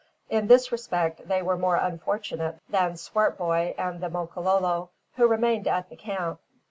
In this respect, they were more unfortunate than Swartboy and the Makololo, who remained at the camp.